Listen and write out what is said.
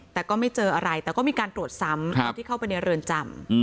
แต่ก็ไม่เจออะไรแต่ก็มีการตรวจซ้ำตอนที่เข้าไปในเรือนจำ